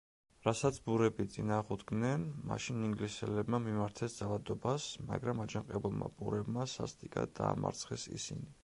რასაც ბურები წინ აღუდგნენ, მაშინ ინგლისელებმა მიმართეს ძალადობას, მაგრამ აჯანყებულმა ბურებმა სასტიკად დაამარცხეს ისინი.